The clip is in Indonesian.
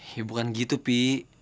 ya bukan gitu pi